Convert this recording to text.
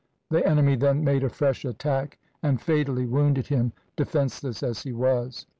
The enemy then made a fresh attack and fatally wounded him, defenceless as he was.